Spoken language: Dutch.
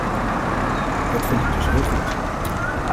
Dat vind ik dus heel goed.